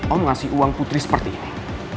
om ngasih uang putri seperti ini